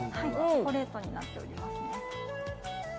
チョコレートになっております。